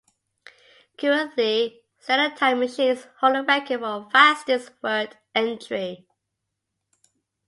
Currently stenotype machines hold the record for fastest word entry.